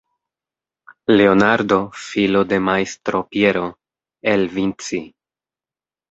Leonardo, filo de majstro Piero, el Vinci.